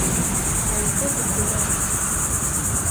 Але й це від диявола.